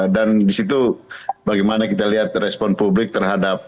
dan disitu bagaimana kita lihat respon publik terhadap